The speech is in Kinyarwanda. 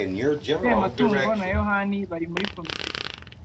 Sematungo na yohani bari muri komite